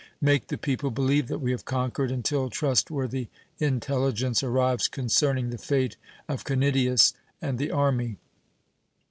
Make the people believe that we have conquered until trustworthy intelligence arrives concerning the fate of Canidius and the army.